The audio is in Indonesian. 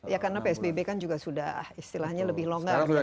ya karena psbb kan juga sudah istilahnya lebih longgar